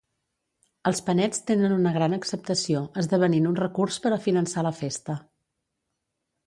Els panets tenen una gran acceptació, esdevenint un recurs per a finançar la festa.